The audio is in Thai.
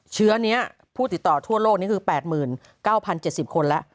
เชื้อนี้ผู้ติดต่อทั่วโลกนี้คือ๘๙๐๗๐คนแล้ว